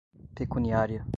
pecuniária